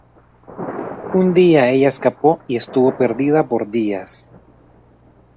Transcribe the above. Un día ella escapó y estuvo perdida por días.